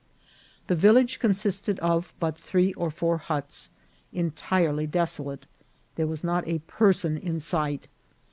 The vil lage consisted of but three or four huts, entirely deso late ; there was not a person in sight.